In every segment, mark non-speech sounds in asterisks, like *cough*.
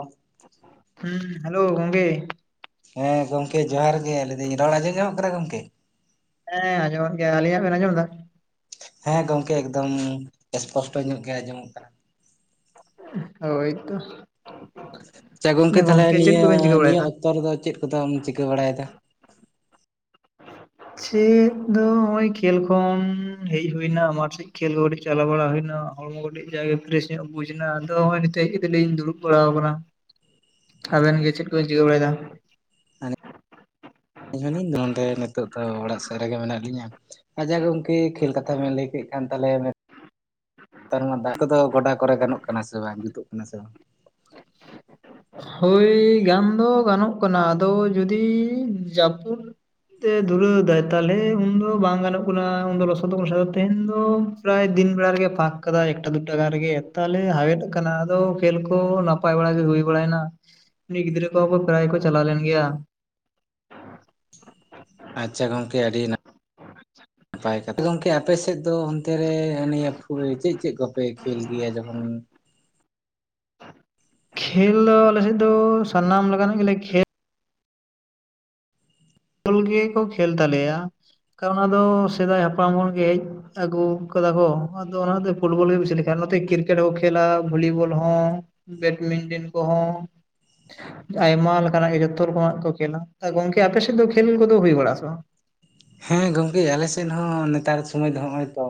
ᱚ *inaudible* ᱦᱩᱸ ᱦᱮᱞᱳ ᱜᱚᱝᱠᱮ ᱦᱮᱸ ᱜᱚᱢᱠᱮ ᱡᱚᱦᱟᱨ ᱜᱮ ᱞᱟᱭ ᱫᱟᱧ ᱨᱚᱲ ᱟᱡᱸᱡᱚᱢ ᱧᱟᱢᱚᱜ ᱠᱟᱱᱟ ᱜᱚᱝᱠᱮ ᱦᱮᱸ ᱟᱸᱡᱚᱢᱚᱜ ᱜᱮᱭᱟ ᱟᱞᱤᱧᱟᱜ ᱵᱮᱱ ᱟᱸᱡᱚᱢ ᱫᱟ ᱦᱮᱸ ᱜᱚᱝᱠᱮ ᱮᱠᱫᱚᱢ ᱮᱯᱚᱥᱴᱚ ᱧᱚᱜ ᱜᱮ ᱟᱸᱡᱚᱢᱚᱜ ᱠᱟᱱᱟ ᱦᱳᱭᱛᱚ ᱟᱪᱪᱷᱟ ᱜᱚᱝᱠᱮ ᱛᱟᱦᱚᱞᱮ ᱱᱤᱭᱟᱹ ᱠᱚᱵᱮᱱ ᱪᱤᱠᱟᱹ ᱱᱤᱭᱟᱹ ᱵᱟᱲᱟᱭᱮᱫᱟ ᱚᱠᱛᱚ ᱨᱮᱫᱚ ᱪᱮᱫ ᱠᱚᱫᱚᱢ ᱪᱤᱠᱟᱹ ᱵᱟᱲᱟᱭᱮᱫᱟ ᱪᱮᱫ ᱫᱚ ᱱᱚᱜᱼᱚᱭ ᱠᱷᱮᱞ ᱦᱮᱡ ᱦᱩᱭᱱᱟ ᱢᱟᱴ ᱥᱮᱫ ᱠᱷᱮᱞ ᱪᱟᱞᱟᱣ ᱵᱟᱲᱟ ᱦᱩᱭᱱᱟ ᱦᱚᱲᱢᱚ ᱠᱟᱴᱤᱡ ᱡᱟᱜᱮ ᱯᱷᱨᱮᱥ ᱧᱚᱜ ᱵᱩᱡᱽ ᱮᱱᱟ ᱟᱫᱚ ᱱᱚᱦᱚᱭ ᱱᱤᱛ ᱦᱮᱡᱠᱟᱛᱤᱞᱤᱧ ᱫᱩᱲᱩᱵ ᱵᱟᱲᱟᱣ ᱟᱠᱟᱱᱟ ᱟᱵᱮᱱ ᱜᱮ ᱪᱮᱫ ᱠᱚᱵᱮᱱ ᱪᱷᱤᱠᱟ ᱵᱟᱲᱟᱭᱮᱫᱟ ᱟᱞᱤᱧ ᱱᱚᱸᱰᱮ ᱱᱤᱛᱚ ᱫᱚ ᱚᱲᱟᱜ ᱥᱮᱫ ᱨᱮᱜᱮ ᱢᱮᱱᱟᱜ ᱞᱤᱧᱟᱹ ᱟᱪᱪᱷᱟ ᱜᱚᱢᱝᱮ ᱠᱷᱮᱞ ᱠᱟᱛᱷᱟ ᱵᱮᱱ ᱞᱟᱹᱭ ᱠᱮᱫ ᱠᱟᱱ ᱛᱟᱞᱮ ᱱᱮᱛᱟᱨ ᱫᱟᱜ ᱠᱚᱫᱚ ᱜᱚᱰᱟ ᱠᱚᱨᱮ ᱜᱟᱱᱚᱜ ᱠᱟᱱᱟ ᱥᱮ ᱵᱟᱝ ᱡᱩᱛᱩᱜ ᱠᱟᱱᱟ ᱥᱮ ᱵᱟᱝ ᱦᱳᱭ ᱜᱟᱱ ᱫᱚ ᱜᱟᱱᱚᱜ ᱠᱟᱱᱟ ᱟᱫᱚ ᱡᱩᱫᱤ ᱡᱟᱹᱯᱩᱫ ᱛᱮ ᱫᱷᱩᱨᱟᱹᱣ ᱫᱟᱭ ᱛᱟᱦᱚᱞᱮ ᱩᱱᱫᱚ ᱵᱟᱝ ᱜᱟᱱᱚᱜ ᱠᱟᱱᱟ ᱩᱱᱫᱚ ᱞᱚᱥᱚᱫᱚᱥᱫ ᱛᱮᱦᱮᱧ ᱫᱚ ᱯᱨᱟᱭ ᱫᱤᱱ ᱵᱮᱲᱟ ᱨᱮᱜᱮ ᱯᱷᱟᱸᱠ ᱠᱟᱫᱟᱭ ᱮᱠᱴᱟ ᱫᱩᱴᱟ ᱜᱟᱱ ᱨᱮᱜᱮ ᱛᱟᱦᱚᱞᱮ ᱦᱟᱣᱮᱫ ᱠᱟᱱᱟ ᱟᱫᱚ ᱠᱷᱮᱞ ᱠᱚ ᱱᱟᱯᱟᱭ ᱵᱟᱲᱟ ᱜᱮ ᱦᱩᱭ *inaudible* ᱩᱱᱤ ᱜᱤᱫᱽᱨᱟ ᱠᱚᱚ ᱯᱨᱮᱨᱟᱭ ᱠᱚ ᱪᱟᱞᱟᱣ ᱞᱮᱱ ᱜᱮᱭᱟ ᱟᱪᱪᱷᱟ ᱜᱚᱝᱠᱮ ᱟᱹᱰᱤ *inaudible* ᱱᱟᱯᱟᱭ ᱟᱯᱮ ᱜᱚᱝᱠᱮ ᱟᱯᱮ ᱥᱮᱫ ᱫᱚ ᱚᱱᱛᱮ ᱨᱮ ᱱᱮᱯᱷ ᱪᱮᱫ ᱪᱮᱫ ᱠᱚᱯᱮ ᱠᱷᱮᱞ ᱜᱮᱭᱟ ᱡᱚᱠᱷᱚᱱ ᱠᱷᱮᱞ ᱫᱚ ᱟᱞᱮᱥᱮᱫ ᱫᱚ ᱥᱟᱱᱟᱢ ᱞᱮᱠᱟᱱᱟᱜ ᱜᱮᱞᱮ *inaudible* ᱯᱷᱵᱚᱞ ᱜᱮᱠᱚ ᱠᱷᱮᱞ ᱛᱟᱞᱮᱭᱟ ᱚᱱᱟ ᱫᱚ ᱥᱮᱫᱟᱭ ᱦᱟᱯᱲᱟᱢ ᱠᱚ ᱜᱮ ᱦᱮᱡ ᱟᱹᱜᱩ ᱠᱟᱫᱟ ᱠᱚ ᱟᱫᱚ ᱚᱱᱟᱛᱮ ᱯᱷᱩᱴᱵᱚᱞ ᱜᱮ ᱵᱮᱥᱤ ᱞᱮ ᱠᱷ ᱱᱚᱛᱮ ᱠᱨᱤᱠᱮᱴ ᱦᱚᱸ ᱠᱷᱮᱞᱟ ᱵᱷᱚᱞᱤᱵᱚᱞ ᱦᱚᱸ ᱵᱮᱰᱢᱤᱱᱴᱚᱱ ᱠᱚᱦᱚᱸ ᱟᱭᱢᱟ ᱞᱮᱠᱟᱱᱟᱜ ᱜᱮ ᱡᱚᱛᱚ ᱨᱚᱠᱚᱢᱟᱜ ᱠᱚ ᱠᱷᱮᱹᱞᱟ ᱜᱚᱢᱠᱮ ᱟᱯᱮ ᱥᱮᱫ ᱫᱚ ᱠᱷᱮᱞ ᱠᱚᱫᱚ ᱦᱩᱭ ᱵᱟᱲᱟᱜᱼᱟ ᱥᱮ ᱵᱟᱝ ᱦᱮᱸ ᱜᱚᱝᱠᱮ ᱟᱞᱮ ᱥᱮᱫ ᱦᱚᱸ ᱱᱮᱛᱟᱨ ᱥᱚᱢᱚᱭ ᱫᱚ ᱦᱚᱸᱜᱼᱚᱭ ᱛᱚ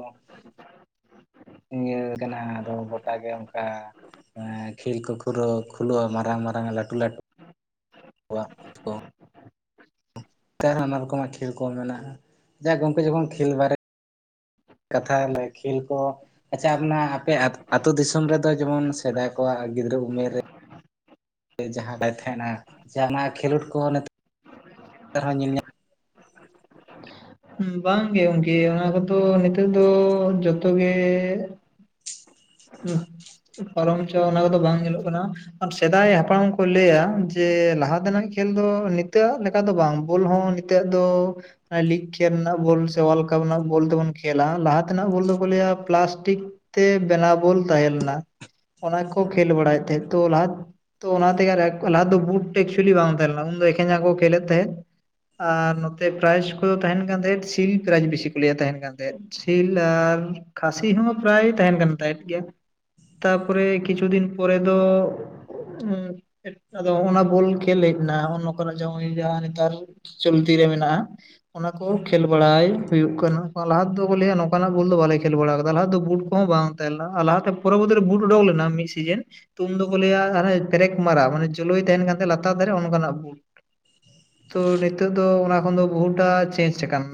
ᱤᱭᱟᱹ ᱠᱟᱱᱟ ᱟᱫᱚ ᱜᱚᱴᱟ ᱜᱮ ᱚᱱᱠᱟ ᱮᱸ ᱠᱷᱮᱞ ᱠᱚ ᱠᱷᱩᱨᱟᱹᱣ ᱠᱷᱩᱞᱟᱹᱣᱼᱟ ᱢᱟᱨᱟᱝ ᱢᱟᱨᱟᱝ ᱞᱟᱹᱴᱩ ᱞᱟᱹᱴ ᱣᱟᱜ᱾ ᱛᱟ ᱱᱟᱱᱟ ᱨᱚᱠᱚᱢᱟᱜ ᱠᱷᱮᱞ ᱠᱚ ᱢᱮᱱᱟᱜᱼᱟ ᱡᱟᱸᱦᱟ ᱜᱚᱝᱠᱮ ᱡᱮᱢᱚᱱ ᱠᱷᱮᱞ ᱵᱟᱨᱮ ᱠᱟᱛᱷᱟ ᱟᱞᱮ ᱠᱷᱮᱞ ᱠᱚ᱾ ᱟᱪᱪᱷᱟ ᱟᱢ ᱱᱟ ᱟᱯᱮ ᱟᱛ-ᱟᱹᱛᱳ ᱫᱤᱥᱚᱢ ᱨᱮᱫᱚ ᱡᱮᱢᱚᱱ ᱥᱮᱫᱟᱭ ᱠᱚᱣᱟᱜ ᱜᱤᱫᱽᱨᱟᱹ ᱩᱢᱮᱨ ᱨᱮ ᱡᱟᱦᱟᱸ ᱵᱟᱭ ᱛᱟᱸᱦᱮᱱᱟ ᱡᱟᱦᱟᱸᱱᱟᱜ ᱠᱷᱮᱞᱳᱰ ᱠᱚᱦᱚᱸ ᱱᱤᱛᱚᱜ *inaudible* ᱧᱮᱞ ᱧᱟᱢ ᱦᱩᱸ ᱵᱟᱝ ᱜᱮ ᱚᱝᱠᱮ ᱚᱱᱟ ᱠᱚᱫᱚ ᱱᱤᱛᱚᱜ ᱫᱚ ᱡᱚᱛᱚ ᱜᱮ ᱩᱸᱦ ᱯᱟᱨᱚᱢ ᱪᱚ ᱚᱱᱟ ᱠᱚᱫᱚ ᱵᱟᱝ ᱧᱮᱞᱚᱜ ᱠᱟᱱᱟ᱾ *inaudible* ᱥᱮᱫᱟᱭ ᱦᱟᱯᱲᱟᱢ ᱠᱚ ᱞᱟᱹᱭᱟ ᱡᱮ ᱞᱟᱦᱟ ᱛᱮᱱᱟᱜ ᱠᱷᱮᱞ ᱫᱚ ᱱᱤᱛᱚᱜ ᱟᱜ ᱞᱮᱠᱟ ᱫᱚ ᱵᱟᱝ᱾ ᱵᱚᱞ ᱦᱚᱸ ᱤᱛᱚᱜ ᱫᱚ ᱞᱤᱜ ᱠᱷᱮᱞ ᱱᱟᱜ ᱵᱚᱞ ᱥᱮ ᱚᱣᱟᱞ ᱠᱟᱯ ᱨᱮᱱᱟᱜ ᱵᱚᱞ ᱛᱮᱵᱚᱱ ᱠᱷᱮᱞ ᱟ ᱞᱟᱦᱟ ᱛᱮᱱᱟᱜ ᱵᱚᱞ ᱫᱚᱠᱚ ᱞᱟᱹᱭᱟ ᱯᱞᱟᱥᱴᱤᱠ ᱛᱮ ᱵᱮᱱᱟᱣ ᱵᱚᱞ ᱛᱟᱦᱮᱸ‌ ᱞᱮᱱᱟ ᱚᱱᱟ ᱠᱚ ᱠᱷᱮᱞ ᱵᱟᱲᱟᱭᱮᱫ ᱛᱟᱦᱮᱸᱜ ᱛᱚ ᱞᱟᱦᱟ ᱛᱚ ᱚᱱᱟ ᱛᱮᱜᱮ ᱞᱟᱦᱟ ᱫᱚ ᱵᱩᱴ ᱮᱠᱪᱩᱭᱮᱞᱤ ᱵᱟᱝ ᱛᱟᱦᱮᱸ ᱞᱮᱱᱟ ᱩᱱ ᱫᱚ ᱮᱠᱷᱮᱱ ᱡᱟᱸᱜᱟ ᱠᱚ ᱠᱷᱮᱞᱮᱫ ᱛᱟᱦᱮᱸᱫ᱾ ᱟᱨ ᱱᱚᱛᱮ ᱯᱨᱟᱭᱤᱡᱽ ᱠᱚᱫᱚ ᱛᱟᱸᱦᱮᱱ ᱠᱟᱱ ᱛᱟᱦᱮᱸᱫ ᱥᱤᱞ ᱯᱨᱟᱭᱤᱡᱽ ᱵᱮᱥᱤ ᱠᱚ ᱞᱟᱹᱭᱟ ᱛᱟᱸᱦᱮᱱ ᱠᱟᱱ ᱛᱟᱦᱮᱸᱫ ᱥᱤᱞ ᱟᱨ ᱠᱷᱟᱥᱤ ᱦᱚᱸ ᱯᱨᱟᱭ ᱛᱟᱸᱦᱮᱱ ᱠᱟᱱ ᱛᱟᱸᱦᱮᱫ ᱜᱮᱭᱟ᱾ ᱛᱟᱯᱚᱨᱮ ᱠᱤᱪᱷᱩ ᱫᱤᱱ ᱯᱚᱨᱮ ᱫᱚ ᱚᱸ ᱮᱴ ᱟᱫᱚ ᱦᱚᱸ ᱚᱱᱟ ᱵᱚᱞ ᱠᱷᱮᱞ ᱦᱮᱡ ᱱᱟ ᱦᱚᱸ ᱱᱚᱝᱠᱟᱱᱟᱜ ᱡᱟᱦᱟᱸ ᱚᱭ ᱡᱟᱦᱟᱸᱱᱮᱛᱟᱨ ᱪᱚᱞᱛᱤ ᱨᱮ ᱢᱮᱱᱟᱜᱼᱟ᱾ ᱚᱱᱟ ᱠᱚᱦᱚᱸ ᱠᱷᱮᱞ ᱵᱟᱲᱟᱭ ᱦᱩᱭᱩᱜ ᱠᱟᱱᱟ᱾ ᱞᱟᱦᱟ ᱛᱮᱫᱚ ᱠᱩ ᱞᱟᱹᱭᱟ ᱱᱚᱠᱟ ᱱᱟᱜ ᱵᱚᱞ ᱫᱚ ᱵᱟᱞᱮ ᱠᱷᱮᱞ ᱵᱟᱲᱟ ᱠᱟᱫᱟ᱾ ᱞᱟᱦᱟ ᱫᱚ ᱵᱩᱴ ᱠᱚᱦᱚᱸ ᱵᱟᱝ ᱛᱮᱞᱚ ᱟ ᱞᱟᱦᱟ ᱛᱮ ᱯᱚᱨᱚᱵᱚᱨᱛᱤ ᱨᱮ ᱵᱩᱴ ᱳᱰᱚᱠ ᱞᱮᱱᱟ ᱢᱤᱫ ᱥᱤᱡᱤᱱ᱾ ᱛᱩᱢ ᱫᱚᱠᱚ ᱞᱟᱹᱭᱟ ᱟᱱᱮ ᱯᱮᱨᱮᱠ ᱢᱟᱨᱟ ᱢᱟᱱᱮ ᱡᱩᱞᱩᱭ ᱛᱟᱸᱦᱮᱱ ᱠᱟᱱ ᱞᱟᱛᱟᱨ ᱫᱷᱟᱨᱮ ᱚᱱᱠᱟᱱᱟᱜ ᱵᱩᱴ᱾ ᱛᱚ ᱱᱤᱛᱚᱜ ᱫᱚ ᱚᱱᱟ ᱠᱷᱚᱱ ᱫᱚ ᱵᱚᱦᱩᱴᱟ ᱪᱮᱧᱡᱽ ᱠᱟᱱ᱾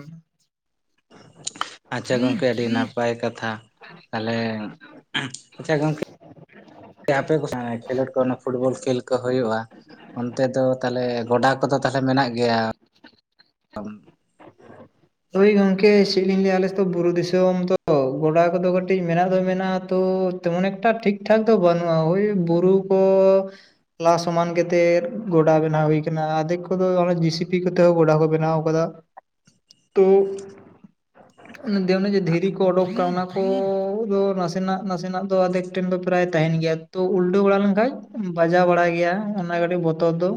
*inaudible* ᱟᱪᱪᱷᱟ ᱜᱚᱝᱠᱮ, ᱟᱹᱰᱤ ᱱᱟᱯᱟᱭ ᱠᱟᱛᱷᱟ᱾ ᱛᱟᱦᱚᱞᱮ *inaudible* ᱮᱸ ᱟᱯᱮ ᱠᱚ ᱥᱟ ᱠᱷᱮᱞᱳᱰ ᱠᱚ ᱚᱱᱟ ᱯᱷᱩᱴᱵᱚᱞ ᱠᱷᱮᱞ ᱠᱚ ᱦᱳᱭᱳᱜᱼᱟ᱾ ᱚᱱᱛᱮ ᱫᱚ ᱛᱟᱦᱚᱞᱮ ᱜᱚᱰᱟ ᱠᱚᱫᱚ ᱛᱟᱦᱚᱞᱮ ᱢᱮᱱᱟᱜ ᱜᱮᱭᱟ? *inaudible* ᱦᱳᱭ ᱜᱚᱝᱠᱮ, ᱪᱮᱜ ᱞᱤᱧ ᱞᱟᱹᱭᱟ ᱟᱞᱮ ᱥᱮ ᱛᱚ ᱵᱩᱨᱩ ᱫᱤᱥᱚᱢ ᱛᱚ ᱜᱚᱰᱟ ᱠᱚᱫᱚ ᱠᱟᱹᱴᱤᱡ ᱢᱮᱱᱟᱜ ᱫᱚ ᱢᱮᱱᱟᱜᱼᱟ ᱛᱚ ᱛᱮᱢᱚᱱ ᱮᱠᱴᱟ ᱴᱷᱤᱠᱼᱴᱷᱟᱠ ᱫᱚ ᱵᱟᱹᱱᱩᱜᱼᱟ ᱳᱭ ᱵᱩᱨᱩ ᱠᱚ ᱞᱟ ᱥᱚᱢᱟᱱ ᱠᱟᱛᱮᱫ ᱜᱚᱰᱟ ᱵᱮᱱᱟᱣ ᱦᱩᱭ ᱠᱟᱱᱟ ᱟᱫᱷᱮᱠ ᱠᱚᱫᱚ ᱚᱱᱮ ᱡᱤᱥᱤᱯᱤ ᱠᱚᱛᱮ ᱦᱚᱸ ᱜᱚᱰᱟ ᱠᱚ ᱵᱮᱱᱟᱣ ᱠᱟᱫᱟ᱾ ᱛᱳᱫ ᱚᱱᱮ ᱡᱮ ᱚᱱᱮ ᱜᱮ ᱫᱷᱤᱨᱤ ᱳᱰᱳᱠ ᱛᱟᱦᱮᱸ ᱱᱟᱠᱚ ᱟᱫᱚ ᱱᱟᱥᱮᱱᱟᱜᱼᱱᱟᱥᱮᱱᱟᱜ ᱫᱚ ᱟᱫᱷᱮᱠ ᱴᱷᱮᱱ ᱫᱚ ᱯᱨᱟᱭ ᱛᱟᱸᱦᱮᱱ ᱜᱮᱭᱟ᱾ ᱛᱚ ᱩᱞᱴᱟᱹᱣ ᱵᱟᱲᱟ ᱞᱮᱱ ᱠᱷᱟᱡ ᱵᱟᱡᱟᱣ ᱵᱟᱲᱟ ᱜᱮᱭᱟ ᱚᱱᱟ ᱠᱟᱹᱴᱤᱡ ᱵᱚᱛᱚᱨ ᱫᱚ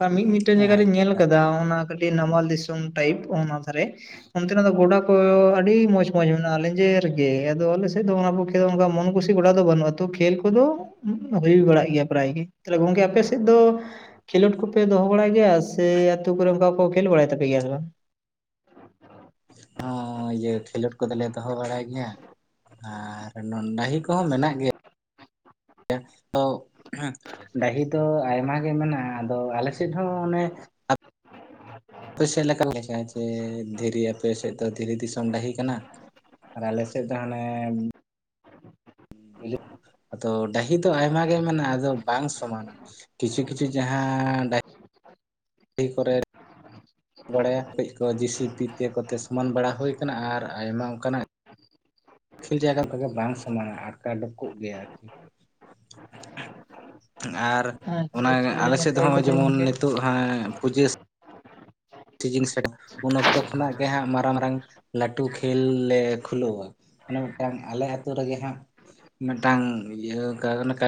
ᱟᱨ ᱢᱤᱫ ᱢᱤᱫ ᱢᱤᱫᱴᱮᱱ ᱡᱟᱭᱜᱟ ᱨᱤᱧ ᱧᱮᱞ ᱟᱪᱪᱷᱟ ᱠᱟᱫᱟ ᱚᱱᱟ ᱠᱟᱹᱴᱤᱡ ᱱᱟᱢᱟᱞ ᱫᱤᱥᱚᱢ ᱴᱟᱭᱤᱯ ᱚᱱᱟ ᱫᱷᱟᱨᱮ ᱚᱱᱛᱮᱱᱟᱜ ᱢᱟ ᱜᱚᱰᱟ ᱠᱚ ᱟᱹᱰᱤ ᱢᱚᱸᱡᱽᱼᱢᱚᱸᱡᱽ ᱢᱮᱱᱟᱜᱼᱟ ᱞᱮᱸᱡᱮᱨ ᱜᱮ, ᱟᱫᱚ ᱟᱞᱮ ᱥᱮᱫ ᱫᱚ ᱚᱱᱟ *inaudible* ᱢᱚᱱ ᱠᱩᱥᱤ ᱜᱚᱰᱟ ᱫᱚ ᱵᱟᱹᱱᱩᱜᱼᱟ, ᱛᱚ ᱠᱷᱮᱞ ᱠᱚᱫᱚ ᱩᱸᱜ ᱦᱳᱭ ᱵᱟᱲᱟᱜ ᱜᱮᱭᱟ ᱯᱨᱟᱭ ᱜᱮ ᱛᱟᱦᱚᱞᱮ ᱜᱚᱝᱠᱮ ᱟᱯᱮ ᱥᱮᱫ ᱫᱚ ᱠᱷᱮᱞᱳᱰ ᱠᱚᱯᱮ ᱫᱚᱦᱚ ᱵᱟᱲᱟᱭ ᱜᱮᱭᱟ ᱥᱮ ᱟᱛᱳ ᱠᱚᱨᱮ ᱚᱱᱠᱟ ᱠᱚ ᱠᱷᱮᱞ ᱵᱟᱲᱟᱭ ᱛᱟᱯᱮ ᱜᱮᱭᱟ ᱥᱮ ᱵᱟᱝ? *inaudible* ᱦᱮᱸ ᱤᱭᱟᱹ ᱠᱷᱮᱞᱳᱰ ᱠᱚᱫᱚ ᱞᱮ ᱫᱚᱦᱚ ᱵᱟᱲᱟᱭ ᱜᱮᱭᱟ᱾ ᱦᱮᱸ ᱟᱨ ᱰᱟᱹᱦᱤ ᱠᱚᱦᱚᱸ ᱢᱮᱱᱟᱜ ᱜᱮᱭᱟ *inaudible* ᱛᱚ ᱦᱮᱸ, ᱰᱟᱹᱦᱤ ᱫᱚ ᱟᱭᱢᱟ ᱜᱮ ᱢᱮᱱᱟᱜᱼᱟ, ᱟᱫᱚ ᱟᱞᱮ ᱥᱮᱫ ᱦᱚᱸ ᱚᱱᱮ ᱟᱯᱮ ᱥᱮᱫ ᱞᱮᱠᱟᱱ ᱜᱮ, ᱪᱮ ᱪᱮ ᱫᱷᱤᱨᱤ ᱟᱯᱮ ᱥᱮᱫ ᱫᱚ ᱫᱷᱤᱨᱤ ᱫᱤᱥᱚᱢ ᱰᱟᱹᱦᱤ ᱠᱟᱱᱟ? ᱟᱨ ᱟᱞᱮ ᱥᱮᱫ ᱫᱚ ᱦᱟᱱᱮ *inaudible* ᱟᱫᱚ ᱰᱟᱹᱦᱤ ᱫᱚ ᱟᱭᱢᱟ ᱜᱮ ᱢᱮᱱᱟᱜᱼᱟ, ᱟᱫᱚ ᱵᱟᱝ ᱥᱚᱢᱟᱱᱟ᱾ ᱠᱤᱪᱷᱩᱼᱠᱤᱪᱷᱩ ᱡᱟᱦᱟᱸ ᱰᱟ *inaudible* ᱦᱤ ᱠᱚᱨᱮ ᱵᱟᱲᱟᱭᱟ ᱠᱟᱹᱡ ᱠᱚ ᱡᱤᱥᱤᱯᱤ ᱛᱮ ᱠᱚᱛᱮ ᱥᱚᱢᱟᱱ ᱵᱟᱲᱟ ᱦᱩᱭ ᱠᱟᱱᱟ ᱟᱨ ᱟᱭᱢᱟ ᱚᱱᱠᱟᱱᱟᱜ ᱠᱤᱪᱷᱩ ᱡᱟᱭᱜᱟ ᱠᱚᱫᱚ ᱵᱟᱝ ᱥᱚᱢᱟᱱᱟ ᱟᱴᱠᱟᱰᱚᱠ ᱠᱚᱜ ᱜᱮᱭᱟ᱾ *inaudible* ᱟᱨ ᱟᱪᱪᱷᱟ ᱚᱱᱟ ᱟᱪᱪᱷᱟ ᱟᱹᱰᱤ ᱟᱞᱮ ᱥᱮᱫ ᱱᱟᱯᱟᱭ ᱦᱚᱸᱜᱼᱚᱭ ᱠᱟᱛᱷᱟ ᱡᱮᱢᱚᱱ ᱜᱚᱝᱠᱮ ᱱᱤᱛᱚᱜ ᱯᱩᱡᱟᱹ ᱥᱤᱡᱤᱱ ᱥᱮᱴᱮᱨ ᱩᱱ ᱚᱠᱛᱚ ᱠᱷᱚᱱᱟᱜ ᱜᱮ ᱦᱟᱸᱜ ᱢᱟᱨᱟᱝᱼᱢᱟᱨᱟᱝ ᱞᱟᱹᱴᱩ ᱠᱷᱮᱞ ᱞᱮ ᱠᱷᱩᱞᱟᱹᱣᱟ᱾ ᱚᱱᱮ ᱢᱤᱫᱴᱟᱝ ᱟᱞᱮ ᱟᱹᱛᱩ ᱨᱮᱜᱮ ᱦᱟᱸᱜ ᱢᱤᱫᱴᱟᱝ ᱤᱭᱟᱹ ᱠᱟ-ᱚᱱᱠᱟ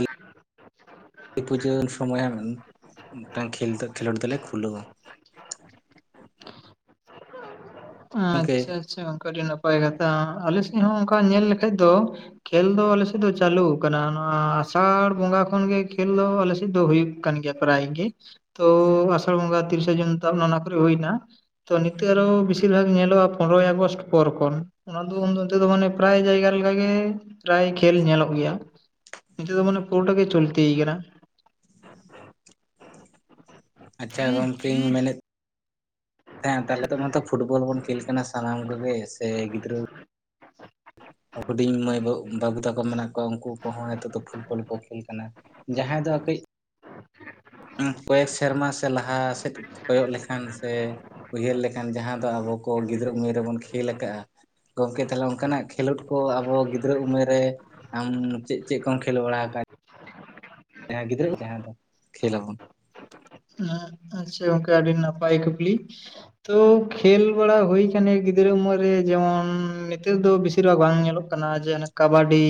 ᱯᱩᱡᱟᱹᱨ ᱥᱚᱢᱚᱭ ᱢᱤᱫᱴᱟᱝ ᱠᱷᱮᱞ ᱛᱮ ᱠᱷᱮᱞᱳᱰ ᱫᱚᱞᱮ ᱠᱷᱩᱞᱟᱹᱣᱼᱟ᱾ ᱩᱢ ᱜᱚᱢᱠᱮ ᱟᱪᱪᱷᱟ ᱟᱪᱪᱷᱟ ᱜᱚᱝᱠᱮ ᱟᱹᱰᱤ ᱱᱟᱯᱟᱭ ᱠᱟᱛᱷᱟ, ᱟᱞᱮ ᱥᱮᱫ ᱦᱚᱸ ᱚᱱᱠᱟ ᱧᱮᱞ ᱞᱮᱠᱷᱟᱡ ᱫᱚ ᱠᱷᱮᱞᱞ ᱫᱚ ᱟᱞᱮ ᱥᱮᱫ ᱫᱚ ᱪᱟᱹᱞᱩ ᱟᱠᱟᱱᱟ ᱱᱚᱣᱟ ᱟᱥᱟᱲ ᱵᱚᱸᱜᱟ ᱠᱷᱚᱱᱜᱮ ᱠᱷᱮᱞ ᱫᱚ ᱟᱞᱮ ᱥᱮᱫ ᱫᱚ ᱦᱩᱭᱩᱜ ᱠᱟᱱ ᱜᱮᱭᱟ᱾ ᱯᱨᱟᱭ ᱜᱤ ᱛᱚ ᱟᱥᱟᱲ ᱵᱚᱸᱜᱟ ᱛᱤᱨᱤᱥᱟ ᱡᱩᱱ ᱛᱟᱵᱱᱟ ᱚᱱᱟ ᱠᱚᱨᱮ ᱦᱩᱭᱱᱟ᱾ ᱛᱚ ᱱᱤᱛᱚᱜ ᱟᱨᱚ ᱵᱮᱥᱤᱨ ᱵᱷᱟᱜ ᱧᱮᱞᱚᱜᱼᱟ ᱯᱚᱱᱨᱚᱭ ᱟᱜᱚᱥᱴ ᱯᱚᱨ ᱠᱷᱚᱱ᱾ ᱚᱱᱟ ᱫᱚ ᱩᱱᱫᱚ ᱚᱱᱛᱮ ᱫᱚ ᱢᱟᱱᱮ ᱯᱨᱟᱭ ᱡᱟᱭᱜᱟ ᱞᱮᱠᱟᱜ ᱜᱮ ᱯᱨᱟᱭ ᱠᱷᱮᱞ ᱧᱮᱞᱚᱜ ᱜᱮᱭᱟ᱾ ᱱᱤᱛᱚ ᱫᱚ ᱢᱟᱱᱮ ᱯᱩᱨᱳᱴᱟ ᱜᱮ ᱪᱚᱞᱛᱤᱭ ᱠᱟᱱᱟ᱾ ᱟᱪᱪᱷᱟ ᱜᱚᱢᱠᱮ ᱤᱧ ᱢᱮᱱᱮᱫ ᱦᱮᱸ ᱛᱟᱦᱚᱞᱮ ᱫᱚ ᱢᱟᱛᱚ ᱯᱷᱩᱴᱵᱚᱞ ᱵᱚᱱ ᱠᱷᱮᱞ ᱠᱟᱱᱟ ᱥᱟᱱᱟᱢ ᱠᱚᱜᱮ ᱥᱮ ᱜᱤᱫᱽᱨᱟᱹ ᱦᱩᱰᱤᱧ ᱢᱟᱹᱭ ᱵᱟᱹ ᱵᱟᱹᱵᱩ ᱛᱟᱠᱚ ᱢᱮᱱᱟᱜ ᱠᱚᱣᱟ ᱩᱱᱠᱩ ᱠᱚᱦᱚᱸ ᱱᱤᱛᱚᱜ ᱫᱚ ᱯᱷᱩᱴᱵᱚᱞ ᱠᱚ ᱠᱷᱮᱞ ᱠᱟᱱᱟ᱾ ᱡᱟᱦᱟᱸᱭ ᱫᱚ ᱠᱟᱹᱡ ᱯᱮ ᱥᱮᱨᱢᱟ ᱥᱮ ᱞᱟᱦᱟ ᱥᱮᱫ ᱠᱚᱭᱚᱜ ᱞᱮᱠᱷᱟᱱ ᱥᱮ ᱩᱭᱦᱟᱹᱨ ᱞᱮᱠᱷᱟᱱ ᱡᱟᱦᱟᱸ ᱫᱚ ᱟᱵᱚ ᱠᱚ ᱜᱤᱫᱽᱨᱟᱹ ᱩᱢᱮᱨ ᱨᱮᱵᱚᱱ ᱠᱷᱮᱞ ᱟᱠᱟᱜᱼᱟ᱾ ᱜᱚᱢᱠᱮ ᱛᱟᱦᱚᱞᱮ ᱚᱱᱠᱟᱱᱟᱜ ᱠᱷᱮᱞᱳᱰ ᱠᱚ ᱟᱵᱚ ᱜᱤᱫᱽᱨᱟᱹ ᱩᱢᱮᱨ ᱨᱮ ᱟᱢ ᱪᱮᱫ ᱪᱮᱫ ᱠᱚᱢ ᱠᱷᱮᱞ ᱵᱟᱲᱟ ᱠᱟᱫ ᱡᱟᱦᱟᱸᱭ ᱜᱤᱫᱽᱨᱟᱹ ᱡᱟᱦᱟᱸ ᱫᱚ ᱠᱷᱮᱞ ᱟᱵᱚᱱ᱾ ᱦᱮᱸ ᱟᱪᱪᱷᱟ ᱚᱝᱠᱮ ᱟᱹᱰᱤ ᱱᱟᱯᱟᱭ ᱠᱩᱠᱞᱤ᱾ ᱛᱳ ᱠᱷᱮᱞ ᱵᱟᱲᱟ ᱦᱩᱭ ᱠᱟᱱᱟ ᱜᱤᱫᱽᱨᱟᱹ ᱩᱢᱮᱨ ᱨᱮ ᱡᱮᱢᱚᱱ ᱱᱮᱛᱚᱜ ᱫᱚ ᱵᱮᱥᱤᱨ ᱵᱷᱟᱜᱽ ᱵᱟᱝ ᱧᱮᱞᱚᱜ ᱠᱟᱱᱟ ᱡᱮ ᱚᱱᱮ ᱠᱟᱵᱟᱰᱤ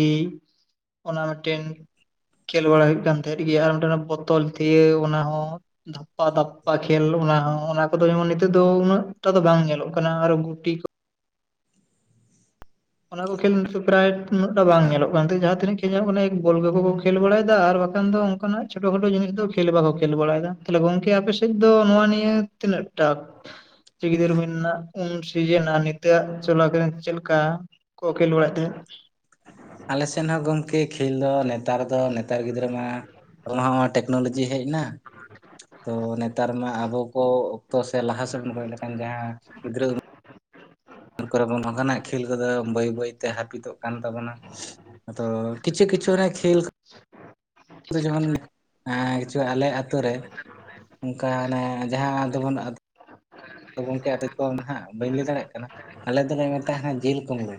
ᱚᱱᱟ ᱢᱤᱫᱴᱮᱱ ᱠᱷᱮᱞ ᱵᱟᱲᱟ ᱦᱩᱭᱩᱜ ᱠᱟᱱ ᱛᱮᱦᱮᱸᱫ ᱜᱮᱭᱟ ᱟᱨ ᱢᱤᱫ ᱚᱱᱟ ᱵᱳᱛᱚᱞ ᱫᱤᱭᱟᱹ ᱚᱱᱟᱦᱚᱸ ᱫᱷᱟᱯᱟᱼᱫᱟᱯᱯᱟ ᱠᱷᱮᱞ ᱚᱱᱟ ᱦᱚᱸ ᱚᱱᱟ ᱠᱚᱫᱚ ᱮᱢᱚᱱ ᱱᱤᱛᱚᱜ ᱫᱚ ᱩᱱᱟᱹᱜᱴᱟ ᱫᱚ ᱵᱟᱝ ᱧᱮᱞᱚᱜ ᱠᱟᱱᱟ ᱟᱨᱚ ᱜᱩᱴᱤ ᱠᱚ ᱚᱱᱟ ᱠᱚ ᱠᱷᱮᱞ ᱱᱤᱛ ᱯᱨᱟᱭ ᱩᱱᱟᱹᱜ ᱴᱟ ᱵᱟᱝ ᱧᱮᱞᱚᱜ ᱠᱟᱱ ᱛᱮ ᱡᱟᱦᱟᱸ ᱛᱤᱱᱟᱹᱜ ᱠᱷᱮᱞ ᱧᱮᱞᱚᱜ ᱠᱟᱱᱟ ᱵᱚᱞ ᱠᱚᱜᱮ ᱠᱚ ᱠᱷᱮᱞ ᱵᱟᱲᱟᱭᱮᱫᱟ ᱟᱨ ᱵᱟᱠᱷᱟᱱ ᱫᱚ ᱩᱱ ᱠᱟᱱᱟᱜ ᱪᱷᱳᱴᱳ ᱠᱷᱟᱴᱳ ᱡᱤᱱᱤᱥ ᱫᱚ ᱠᱷᱮᱞ ᱵᱟᱠᱚ ᱠᱷᱮᱞ ᱵᱟᱲᱟᱭ ᱫᱟ ᱛᱟᱦᱚᱞᱮ ᱜᱚᱝᱠᱮ ᱟᱯᱮᱥᱮᱫ ᱫᱚ ᱱᱚᱣᱟ ᱱᱤᱭᱟᱹ ᱛᱤᱱᱟᱹᱜ ᱴᱟᱠ ᱜᱤᱫᱨᱟᱹ ᱨᱮᱱᱟᱜ ᱩᱱ ᱥᱤᱡᱤᱱ ᱱᱤᱛᱚᱜ ᱪᱚᱞᱟ ᱠᱚᱨᱮ ᱪᱮᱫ ᱞᱮᱠᱟ ᱠᱚ ᱠᱷᱮᱞ ᱵᱟᱲᱟᱭᱮᱫ ᱛᱮᱦᱮᱸᱫ᱾ ᱟᱞᱮ ᱥᱮᱱ ᱦᱚᱸ ᱜᱚᱢᱠᱮ ᱠᱷᱮᱞ ᱫᱚ ᱱᱮᱛᱟᱨ ᱫᱚ ᱱᱮᱛᱟᱨ ᱜᱤᱫᱽᱨᱟᱹ ᱢᱟ ᱚᱱᱟ ᱦᱚᱸ ᱴᱮᱠᱱᱳᱞᱚᱡᱤ ᱦᱮᱡ ᱱᱟ ᱛᱚ ᱱᱮᱛᱟᱨ ᱢᱟ ᱟᱵᱚ ᱠᱚ ᱛᱚ ᱥᱮ ᱞᱟᱦᱟ ᱥᱮᱫ ᱵᱚᱱ ᱠᱚᱭᱚᱜ ᱞᱮᱠᱷᱟᱱ ᱡᱟᱦᱟᱸ ᱜᱤᱫᱽᱨᱟᱹ *inaudible* ᱱᱟᱜ ᱠᱷᱮᱞ ᱠᱚᱫᱚ ᱵᱟᱹᱭ ᱵᱟᱹᱭᱛᱮ ᱦᱟᱹᱯᱤᱫᱚᱜ ᱠᱟᱱ ᱛᱟᱵᱚᱱᱟ᱾ ᱟᱫᱚ ᱠᱤᱪᱷᱩ ᱠᱤᱪᱷᱩ ᱱᱟ ᱠᱷᱮᱞ ᱤᱧ ᱫᱚ ᱡᱮᱢᱚᱱ ᱠᱤᱪᱷᱩ ᱟᱞᱮ ᱟᱛᱳ ᱨᱮ ᱚᱱᱠᱟ ᱟᱱᱮ ᱡᱟᱦᱟᱸ ᱫᱚᱵᱚᱱ ᱟᱫᱚ ᱜᱚᱝᱠᱮ ᱟᱯᱮ ᱠᱚ ᱱᱟᱦᱟᱜ ᱵᱟᱹᱧ ᱞᱟᱹᱭ ᱫᱟᱲᱮᱭᱟᱜ ᱠᱟᱱᱟ ᱟᱞᱮ ᱫᱚᱞᱮ ᱢᱮᱛᱼᱟ ᱦᱟᱸᱜ ᱡᱤᱞ ᱠᱩᱢᱵᱽᱲᱩ,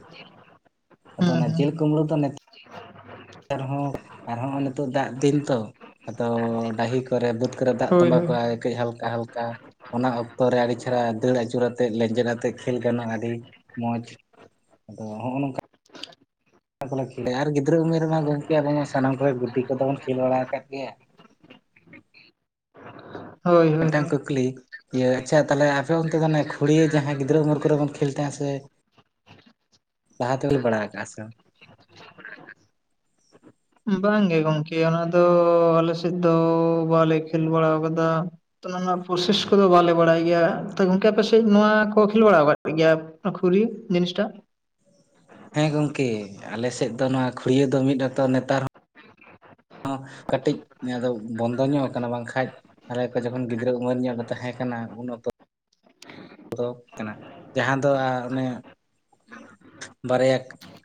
ᱟᱫᱚ ᱦᱩᱸ ᱚᱱᱟ ᱦᱩᱸ ᱡᱤᱞ ᱠᱢᱵᱽᱲᱩ ᱫᱚ ᱱᱚᱛ ᱟᱨ ᱦᱚᱸ, ᱟᱨ ᱦᱚᱸ ᱱᱤᱛᱚᱜ ᱫᱟᱜ ᱫᱤᱱ ᱛᱚ ᱫᱚ ᱰᱟᱦᱤ ᱠᱚ ᱨᱮ ᱵᱟᱹᱫᱽ ᱠᱚᱨᱮ ᱫᱟᱜ ᱦᱳᱭ ᱛᱚᱸᱵᱟ ᱦᱳᱭ ᱠᱚᱜ-ᱟ ᱠᱟᱹᱡ ᱦᱟᱞᱠᱟ ᱦᱟᱞᱠᱟ ᱚᱱᱟ ᱚᱠᱛᱚ ᱨᱮ ᱟᱹᱰᱤ ᱨᱮ ᱫᱟᱹᱲ ᱟᱹᱪᱩᱨ ᱟᱛᱮᱫ ᱞᱮᱸᱡᱮᱫ ᱟᱛᱮ ᱠᱷᱮᱞ ᱜᱟᱱᱚᱜ-ᱟ ᱟᱹᱰᱤ ᱢᱚᱸᱡᱽ, ᱟᱫᱚ ᱦᱚᱸᱜ-ᱚ ᱱᱚᱝᱠᱟ ᱚᱱᱟ ᱠᱚᱞᱮ ᱠᱷᱮ ᱟᱨ ᱜᱤᱫᱽᱨᱟᱹ ᱩᱢᱮᱨ ᱢᱟ ᱜᱚᱢᱠᱮ ᱟᱵᱚ ᱢᱟ ᱥᱟᱱᱟᱢ ᱠᱚᱨᱮ ᱜᱩᱴᱤ ᱠᱚᱫᱚ ᱵᱚᱱ ᱠᱷᱮᱞ ᱵᱟᱲᱟ ᱟᱠᱟᱫ ᱜᱮᱭᱟ᱾ ᱦᱳᱭ ᱦᱳᱭ ᱢᱤᱫᱴᱟᱝ ᱦᱳᱭ ᱠᱩᱠᱞᱤ ᱤᱭᱟᱹ ᱟᱪᱪᱷᱟ ᱛᱟᱦᱚᱞᱮ ᱟᱯᱮ ᱚᱱᱛᱮ ᱫᱚ ᱮ ᱠᱷᱩᱲᱤ ᱡᱟᱦᱟᱸᱭ ᱜᱤᱫᱽᱨᱟᱹ ᱩᱢᱮᱨᱟᱹᱨ ᱠᱚᱨᱮ ᱵᱚᱱ ᱠᱷᱮᱞ ᱛᱟᱦᱮᱸ ᱥᱮ ᱛᱟᱦᱟᱛᱮ *unintelligible* ᱵᱟᱲᱟ ᱠᱟᱜ ᱥᱮ ᱵᱟᱝ? ᱵᱟᱝᱜᱮ ᱜᱚᱢᱠᱮ ᱚᱱᱟ ᱫᱚ ᱟᱞᱮ ᱥᱮᱫ ᱫᱚ ᱵᱟᱞᱮ ᱠᱷᱮᱞ ᱵᱟᱲᱟ ᱟᱠᱟᱫᱟ᱾ ᱚᱱᱟ ᱨᱮᱱᱟᱜ ᱯᱚᱥᱮᱥ ᱠᱚᱫᱚ ᱵᱟᱞᱮ ᱵᱟᱲᱟᱭ ᱜᱮᱭᱟ ᱜᱚᱝᱠᱮ ᱟᱯᱮᱥᱮᱡ ᱱᱚᱣᱟ ᱠᱚ ᱠᱷᱮᱞ ᱵᱟᱲᱟ ᱟᱠᱟᱫ ᱜᱮᱭᱟ? ᱚᱠᱟ ᱠᱷᱩᱨᱤ ᱡᱤᱱᱤᱥᱴᱟ? ᱦᱮᱸ ᱜᱚᱝᱠᱮ ᱟᱞᱮ ᱥᱮᱫ ᱫᱚ ᱱᱚᱣᱟ ᱠᱷᱩᱲᱤᱭᱟᱹᱟᱹ ᱫᱚ ᱢᱤᱫ ᱚᱠᱛᱚ ᱱᱮᱛᱟᱨ ᱦᱚᱸ ᱠᱟᱹᱴᱤᱡ ᱱᱤᱭᱟᱹ ᱫᱚ ᱵᱚᱱᱫᱚ ᱧᱚᱜ ᱟᱠᱟᱱᱟ ᱵᱟᱝᱠᱷᱟᱡ ᱟᱞᱮ ᱠᱚ ᱡᱚᱠᱷᱚᱱ ᱜᱤᱫᱽᱨᱟᱹ ᱩᱢᱮᱨ ᱧᱚᱜ ᱞᱮ ᱛᱟᱦᱮᱸ ᱠᱟᱱᱟ ᱩᱱ ᱚᱠᱛᱚ ᱠᱚᱫᱚ ᱠᱟᱱᱟ ᱡᱟᱦᱟᱸ ᱫᱚ ᱚᱱᱮ ᱵᱟᱨᱭᱟ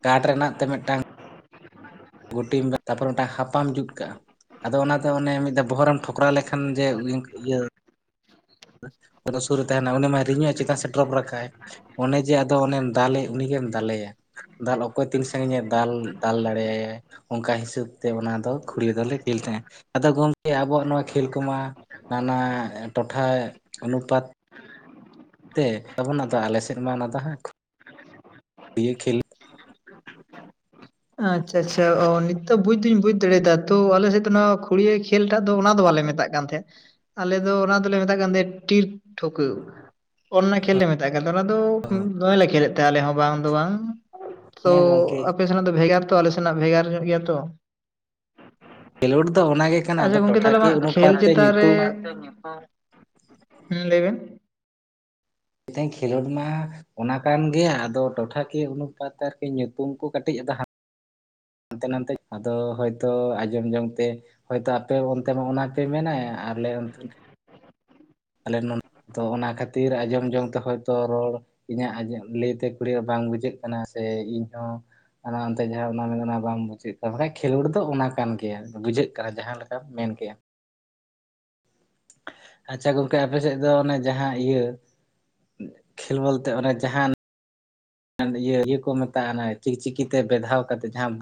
ᱠᱟᱴᱷ ᱨᱮᱱᱟᱜ ᱛᱮ ᱢᱤᱫᱴᱟᱝ ᱜᱩᱴᱤᱢ *inaudible* ᱛᱟᱨᱯᱚᱨ ᱚᱱᱟᱟᱝ ᱦᱟᱯᱟᱢ ᱡᱩᱛ ᱠᱟᱜᱼᱟ᱾ ᱟᱫᱚ ᱚᱱᱟ ᱫᱚ ᱚᱱᱮ ᱢᱤᱫ ᱫᱷᱟᱣ ᱵᱚᱦᱚᱜ ᱨᱮᱢ ᱴᱷᱚᱚᱠᱨᱟᱣ ᱞᱮᱠᱷᱟᱱ, ᱡᱮ *inaudible* ᱤᱭᱟᱹ ᱚᱱᱮ ᱥᱩᱨ ᱨᱮ ᱛᱟᱦᱮᱱᱟ ᱩᱱᱤ ᱢᱟᱭ ᱨᱤᱸᱧᱚᱜ ᱟᱭ ᱪᱮᱛᱟᱱ ᱥᱮ ᱰᱨᱚᱯ ᱨᱟᱠᱵ-ᱟᱭ᱾ ᱚᱱᱮ ᱡᱮ ᱟᱫᱚ ᱚᱱᱮᱢ ᱫᱟᱞᱮ ᱩᱱᱤᱜᱮᱢ ᱫᱟᱞᱮᱭᱟ᱾ ᱫᱟᱞ, ᱚᱠᱛᱚ ᱛᱤᱱ ᱥᱟᱺᱜᱤᱧ ᱮ ᱫᱟᱞ, ᱫᱟᱞ ᱫᱟᱲᱮ ᱟᱭᱟᱭ᱾ ᱚᱱᱠᱟ ᱦᱤᱥᱟᱹᱵ ᱛᱮ ᱚᱱᱟ ᱫᱚ ᱠᱷᱩᱲᱤᱭᱟᱹ ᱫᱚᱞᱮ ᱠᱷᱮᱞ ᱛᱟᱦᱮᱸᱫ, ᱟᱫᱚ ᱜᱚᱢᱠᱮ ᱟᱵᱚᱣᱟᱜ ᱱᱚᱣᱟ ᱠᱷᱮᱞ ᱠᱚᱢᱟ ᱚᱱᱟ ᱴᱚᱴᱷᱟ ᱚᱱᱩᱯᱟᱛ ᱛᱮ ᱟᱵᱚ ᱚᱱᱟ ᱫᱚ ᱟᱞᱮ ᱥᱮᱫ ᱢᱟ ᱚᱱᱟ ᱫᱚ ᱦᱟᱸᱜ ᱤᱭᱟᱹ ᱠᱷᱮᱞ ᱟᱪᱪᱷᱟ ᱟᱪᱪᱷᱟ ᱚ ᱱᱤᱛᱚᱜ ᱵᱩᱡ ᱫᱩᱧ ᱵᱩᱡ ᱟᱪᱷᱟ ᱟᱪᱷᱟ ᱚ ᱱᱤᱛᱳᱜ ᱵᱩᱪᱷ ᱫᱚᱧ ᱵᱩᱪᱷ ᱫᱟᱲᱮᱭᱟᱫᱟ᱾ ᱛᱚ ᱟᱞᱮᱥᱮᱫ ᱫᱚ ᱱᱚᱣᱟ ᱠᱷᱩᱲᱤᱭᱟᱹ ᱠᱷᱮᱞ ᱴᱟᱜ ᱫᱚ ᱚᱱᱟ ᱫᱚ ᱵᱟᱞᱮ ᱢᱮᱛᱟᱜ ᱛᱟᱦᱮᱸᱫ ᱟᱞᱮ ᱫᱚ ᱚᱱᱟ ᱫᱚᱞᱮ ᱢᱮᱛᱟᱜ ᱠᱟᱱ ᱛᱟᱦᱮᱸᱱᱟ ᱴᱤᱨ ᱴᱷᱩᱠᱟᱹᱣ᱾ ᱚᱱᱟ ᱠᱷᱮᱞ ᱞᱮ ᱢᱮᱛᱟᱜ ᱠᱟᱱᱟ, ᱚᱱᱟ ᱫᱚ ᱫᱚᱢᱮᱞ ᱞᱮ ᱠᱷᱮᱞᱮᱫ ᱛᱟᱦᱮᱸ ᱟᱞᱮ ᱦᱚᱸ ᱵᱟᱝ ᱫᱚ ᱵᱟᱝ᱾ ᱛᱚ ᱦᱮᱸ ᱜᱚᱝᱠᱮ ᱟᱯᱮ ᱥᱮᱱᱟᱜ ᱫᱚ ᱵᱷᱮᱜᱟᱨ ᱛᱚ, ᱟᱞᱮ ᱥᱮᱱᱟᱜ ᱵᱷᱮᱜᱟᱨ ᱧᱚᱜ ᱜᱮᱭᱟ ᱛᱚ᱾ ᱠᱷᱮᱞᱳᱰ ᱫᱚ ᱚᱱᱟᱜᱮ ᱠᱟᱱᱟ ᱟᱫᱚ ᱜᱚᱝᱠᱮ ᱛᱟᱦᱚᱞᱮ ᱴᱚᱴᱷᱟᱠᱤᱭᱟᱹ ᱠᱷᱮᱞ ᱚᱱᱩᱯᱟᱛ ᱛᱮ ᱪᱮᱛᱟᱱ ᱨᱮ ᱧᱩᱛᱩᱢ ᱦᱮᱸ ᱞᱟᱹᱭᱵᱮᱱ᱾ *inaudible* ᱠᱷᱮᱞᱳᱰ ᱢᱟ ᱚᱱᱟ ᱠᱟᱱ ᱜᱮᱭᱟ ᱟᱫᱚ ᱴᱚᱴᱷᱟ ᱠᱤᱭᱟᱹ ᱚᱱᱩᱯᱟᱛ ᱟᱨᱠᱤ ᱧᱩᱛᱩᱢ ᱠᱚ ᱠᱟᱹᱴᱤᱡ ᱦᱟᱱᱛᱮ ᱱᱟᱛᱮ ᱟᱫᱚ ᱦᱚᱭᱛᱚ ᱟᱸᱡᱚᱢ ᱡᱚᱝ ᱛᱮ ᱦᱳᱭᱛᱚ ᱟᱯᱮ ᱚᱱᱛᱮ ᱢᱟ ᱚᱱᱟ ᱯᱮ ᱢᱮᱱᱟ ᱟᱨᱞᱮ ᱚᱱᱛᱮ ᱟᱞᱮ ᱱᱚᱱᱛᱮ ᱚᱱᱟ ᱠᱷᱟᱹᱛᱤᱨ ᱟᱸᱡᱚᱢ ᱡᱚᱝ ᱛᱮᱦᱚ ᱛᱚ ᱨᱚᱲ ᱤᱧᱟᱹᱜ ᱤᱭᱟᱹ ᱞᱟᱹᱭᱛᱮ ᱠᱩᱲᱤ ᱵᱟᱝ ᱵᱩᱡᱷᱟᱹᱜ ᱠᱟᱱᱟ ᱥᱮ ᱤᱧ ᱦᱚᱸ ᱚᱱᱟ ᱚᱱᱛᱮ ᱡᱟᱦᱟᱸ ᱚᱱᱟ ᱢᱮ ᱚᱱᱟ ᱵᱟᱢ ᱵᱩᱡᱮᱫ ᱠᱷᱮᱞᱳᱰ ᱫᱚ ᱚᱱᱟ ᱠᱟᱱ ᱜᱮᱭᱟ ᱵᱩᱡᱷᱟᱹᱜ ᱠᱟᱱᱟ ᱡᱟᱦᱟᱸ ᱞᱮᱠᱟᱢ ᱢᱮᱱ ᱠᱮᱜᱼᱟ᱾ ᱟᱪᱪᱷᱟ ᱜᱚᱝᱠᱮ ᱟᱯᱮᱥᱮᱫ ᱫᱚ ᱚᱱᱮ ᱡᱟᱦᱟᱸ ᱤᱭᱟᱹ ᱠᱷᱮᱞ ᱵᱚᱞᱛᱮ ᱚᱱᱮ ᱡᱟᱦᱟᱸᱱ ᱚᱱᱮ ᱤᱭᱟᱹ ᱤᱭᱟᱹᱠᱚ ᱢᱮᱛᱟᱜᱼᱟ ᱪᱤᱠᱪᱤᱠᱤ ᱛᱮ ᱵᱮᱫᱷᱟᱣ ᱠᱟᱛᱮ ᱡᱟᱦᱟᱸ